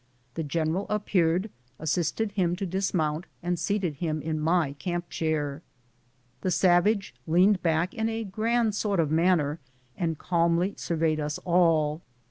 The general appeared, assisted him to dismount, and seated him in my camp chair. The savage leaned back in a grand sort of man ner and calmly surveyed us all.